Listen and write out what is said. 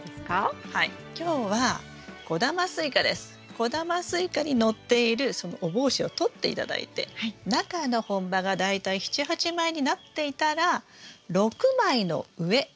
小玉スイカに載っているそのお帽子を取って頂いて中の本葉が大体７８枚になっていたら６枚の上のところで摘心